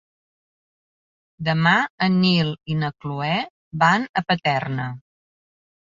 Demà en Nil i na Cloè van a Paterna.